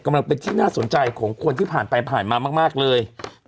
กำลังเป็นที่น่าสนใจของคนที่ผ่านไปผ่านมามากเลย